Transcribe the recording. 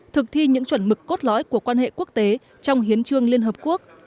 thực thi những chuẩn mực cốt lõi của quan hệ quốc tế trong hiến trương liên hợp quốc